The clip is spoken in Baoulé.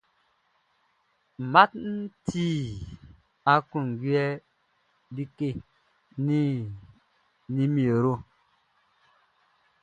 Math ti aklunjuɛ like nin nimero mun.